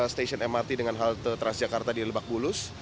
stasiun mrt dengan halte transjakarta di lebak bulus